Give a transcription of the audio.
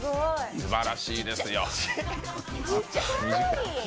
すばらしいですよ。